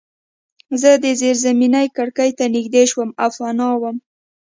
زه د زیرزمینۍ کړکۍ ته نږدې شوم او پناه وم